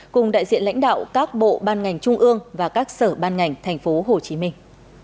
cùng đại diện lãnh đạo các bộ ban ngành trung ương và các sở ban ngành thành phố hồ chí minh